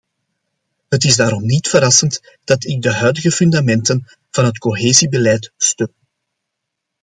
Het is daarom niet verrassend dat ik de huidige fundamenten van het cohesiebeleid steun.